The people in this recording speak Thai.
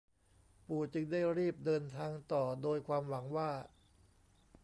ปู่จึงได้รีบเดินทางต่อโดยความหวังว่า